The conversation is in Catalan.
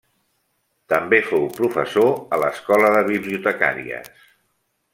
També fou professor a l'Escola de Bibliotecàries.